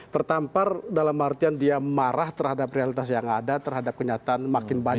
tertampar dalam artian dia marah terhadap realitas yang ada terhadap kenyataan makin banyak